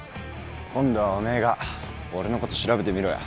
今度はおめえが俺のこと調べてみろよ。